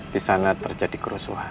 di sana terjadi kerusuhan